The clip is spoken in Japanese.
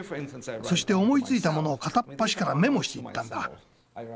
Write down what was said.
そして思いついたものを片っ端からメモしていったんだ。